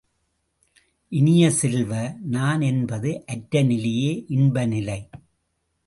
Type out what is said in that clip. இனிய செல்வ, நான் என்பது அற்ற நிலையே இன்பநிலை!